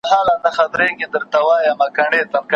هغه په تېر وخت کي د خپل کار له پاره خطر ومانه.